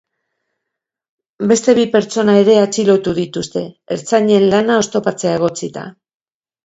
Beste bi pertsona ere atxilotu dituzte, ertzainen lana oztopatzea egotzita.